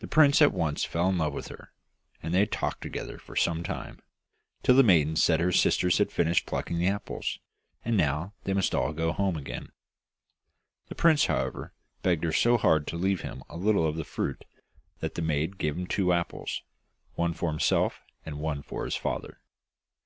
The prince at once fell in love with her, and they talked together for some time, till the maiden said her sisters had finished plucking the apples, and now they must all go home again. The prince, however, begged her so hard to leave him a little of the fruit that the maiden gave him two apples, one for himself and one for his father.